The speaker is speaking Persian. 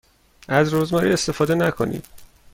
از رزماری استفاده نکنید.